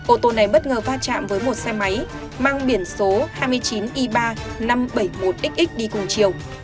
ô tô này bất ngờ va chạm với một xe máy mang biển số hai mươi chín i ba năm trăm bảy mươi một xx đi cùng chiều